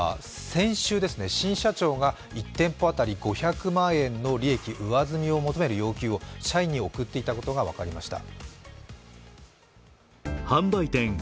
先週、新社長が１店舗当たり５００万円の利益上積みを求める要求を社員に送っていたことが分かりました。